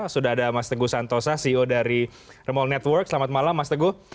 sudah ada mas teguh santosa ceo dari remall network selamat malam mas teguh